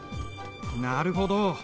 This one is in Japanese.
なるほど。